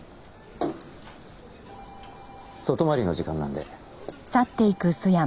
外回りの時間なんで。